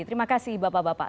terima kasih bapak bapak